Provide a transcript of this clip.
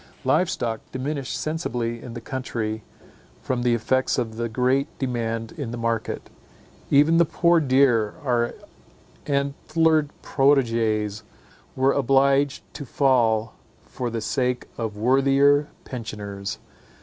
Live stock diminished sensibly in the country, from the effects of the great demand in the market. Even the poor deer, our antlered proteges, were obliged to fall for the sake of worthier pensioners.